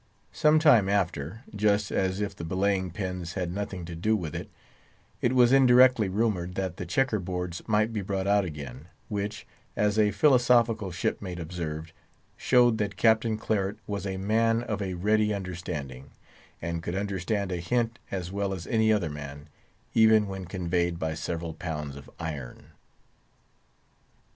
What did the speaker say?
Some time after—just as if the belaying pins had nothing to do with it—it was indirectly rumoured that the checker boards might be brought out again, which—as a philosophical shipmate observed—showed that Captain Claret was a man of a ready understanding, and could understand a hint as well as any other man, even when conveyed by several pounds of iron.